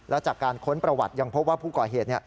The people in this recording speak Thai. และจากการค้นประวัติยังพบว่าผู้ก่อเหตุ